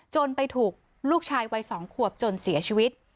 จนไปถูกลูกชายวัย๒ขวบจนเสียชีวิต